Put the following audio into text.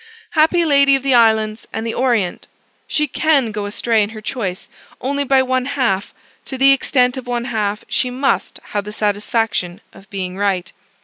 Happy Lady of the islands and the orient! she can go astray in her choice only by one half; to the extent of one half she must have the satisfaction of being right.